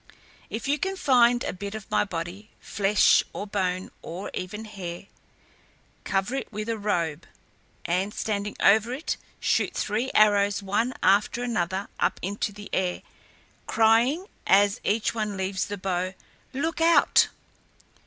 If you can find a bit of my body, flesh or bone, or even hair, cover it with a robe, and standing over it, shoot three arrows one after another up into the air, crying, as each one leaves the bow, 'Look out!'